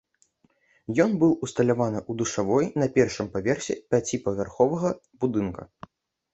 Ён быў усталяваны ў душавой на першым паверсе пяціпавярховага будынка.